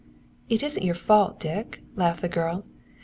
"It isn't your fault, Dick," laughed the girl.